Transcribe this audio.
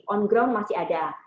on ground masih ada